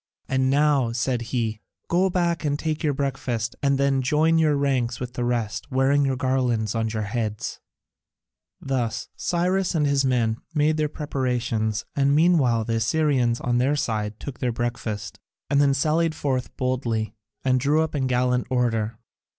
And now," said he, "go back and take your breakfast, and then join your ranks with the rest, wearing your garlands on your heads." Thus Cyrus and his men made their preparations, and meanwhile the Assyrians on their side took their breakfast, and then sallied forth boldly and drew up in gallant order.